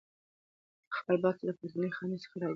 ما خپل بکس له پورتنۍ خانې څخه راکوز کړ.